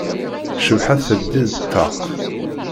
Cabḥa teldi-d ṭṭaq.